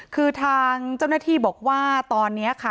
คือทางเจ้าหน้าที่บอกว่าตอนนี้ค่ะ